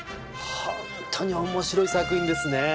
ホントに面白い作品ですね。